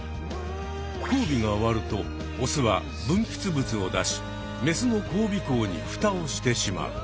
交尾が終わるとオスはぶんぴつぶつを出しメスの交尾口にフタをしてしまう。